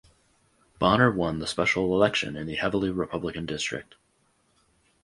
Bonner won the special election in the heavily Republican district.